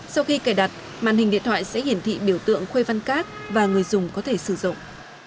sau khi cài đặt màn hình điện thoại sẽ hiển thị biểu tượng khuê văn các và người dùng có thể sử dụng